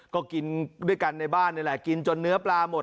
ก็กินด้วยกันในบ้านนี่แหละกินจนเนื้อปลาหมด